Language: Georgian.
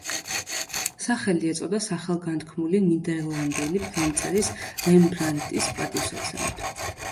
სახელი ეწოდა სახელგანთქმული ნიდერლანდელი ფერმწერის რემბრანდტის პატივსაცემად.